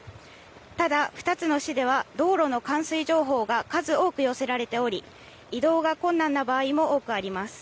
ただ２つの市では道路の冠水情報が数多く寄せられており、移動が困難な場合も多くあります。